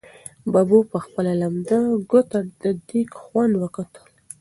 ببو په خپله لمده ګوته د دېګ خوند وکتل.